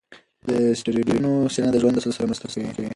د اسټروېډونو څېړنه د ژوند د اصل سره مرسته کوي.